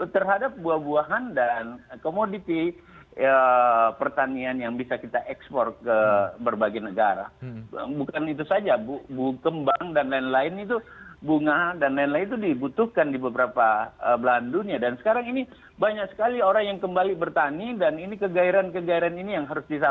terhadap buah buahan dan komoditi pertanian yang bisa kita ekspor ke berbagai negara